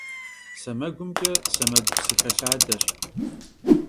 Semegumç'e — semegu psı xelhadeş.